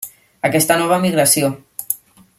Aquesta nova migració.